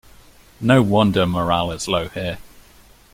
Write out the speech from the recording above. No wonder morale is low here.